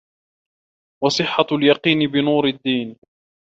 وَصِحَّةُ الْيَقِينِ بِنُورِ الدِّينِ